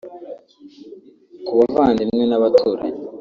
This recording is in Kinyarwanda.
Ku bavandimwe n’abaturanyi